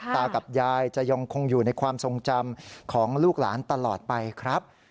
ตากับยายจะยังคงอยู่ในความทรงจำของลูกหลานตลอดไปครับ